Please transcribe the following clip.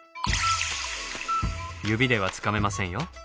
指ではつかめませんよ。